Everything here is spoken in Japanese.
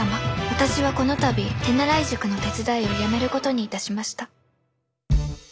私はこの度手習い塾の手伝いを辞めることにいたしました」。